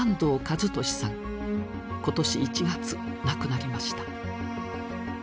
今年１月亡くなりました。